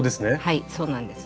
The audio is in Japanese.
はいそうなんです。